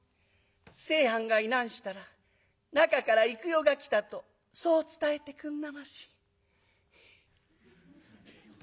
清はんがいなんしたら吉原から幾代が来たとそう伝えてくんなまし」。